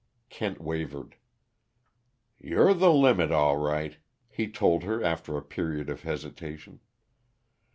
Kent wavered. "You're the limit, all right," he told her after a period of hesitation.